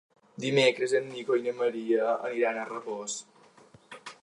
Dimecres en Nico i en Maria aniran a Rabós.